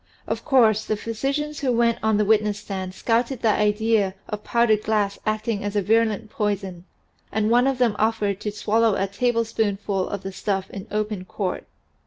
Of course the physicians who went on the witness stand scouted the idea of powdered glass acting as a virulent poison and one of them offered to swallow a tablespoonful of the stuff in open court.